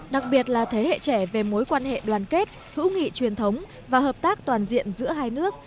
đặc biệt là thế hệ trẻ về mối quan hệ đoàn kết hữu nghị truyền thống và hợp tác toàn diện giữa hai nước